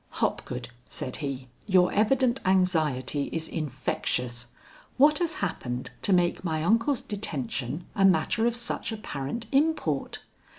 "Hopgood," said he, "your evident anxiety is infectious. What has happened to make my uncle's detention a matter of such apparent import?